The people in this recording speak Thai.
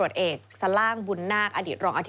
สวัสดีครับคุณผู้ชมค่ะต้อนรับเข้าที่วิทยาลัยศาสตร์